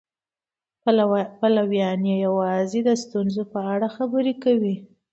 پلویان یې یوازې د ستونزو په اړه خبرې کوي.